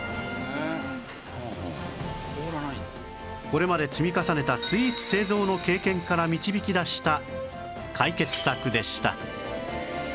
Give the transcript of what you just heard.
これまで積み重ねたスイーツ製造の経験から導き出した解決策でした